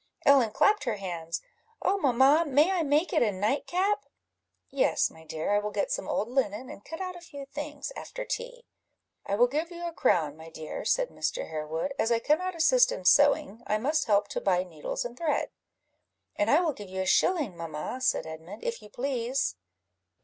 Ellen clapped her hands "Oh, mamma, may I make it a nightcap?" "Yes, my dear; I will get some old linen, and cut out a few things, after tea." "I will give you a crown, my dear," said Mr. Harewood; "as I cannot assist in sewing, I must help to buy needles and thread." "And I will give you a shilling, mamma," said Edmund, "if you please."